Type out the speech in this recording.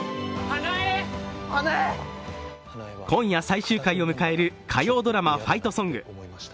今夜最終回を迎える火曜ドラマ「ファイトソング」。